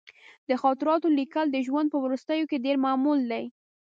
د خاطراتو لیکل د ژوند په وروستیو کې ډېر معمول دي.